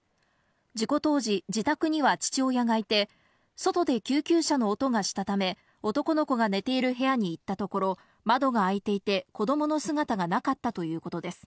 事故当時、自宅には父親がいて、外で救急車の音がしたため、男の子が寝ている部屋に行ったところ、窓が開いていて、子どもの姿がなかったということです。